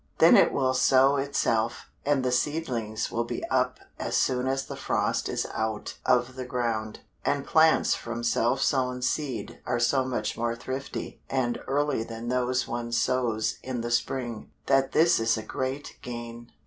Then it will sow itself, and the seedlings will be up as soon as the frost is out of the ground, and plants from self sown seed are so much more thrifty and early than those one sows in the spring, that this is a great gain.